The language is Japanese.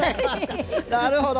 なるほど！